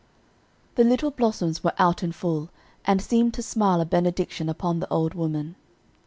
The little blossoms were out in full, and seemed to smile a benediction upon the old woman.